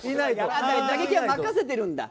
打撃は任せてるんだ。